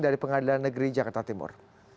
dari pengadilan negeri jakarta timur